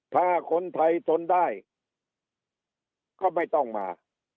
ถ้าคนไทยทนได้ก็ไม่ต้องมา